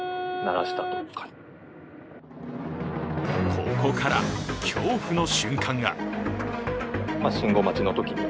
ここから恐怖の瞬間が。